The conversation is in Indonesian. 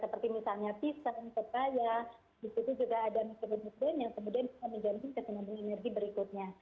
seperti misalnya pisang pekaya itu juga ada mikro mikro yang kemudian bisa menjantung kekenangan energi berikutnya